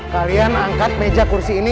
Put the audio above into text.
kalian angkat meja kursi ini